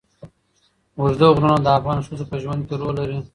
اوږده غرونه د افغان ښځو په ژوند کې رول لري.